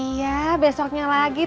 iya besoknya lagi tati